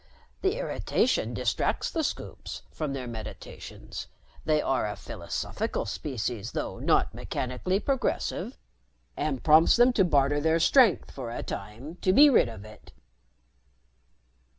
The irritation distracts the Scoops from their meditations they are a philosophical species, though not mechanically progressive and prompts them to barter their strength for a time to be rid of it."